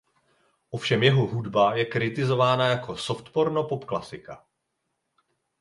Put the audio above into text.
Ovšem jeho hudba je kritizována jako „soft porno pop klasika“.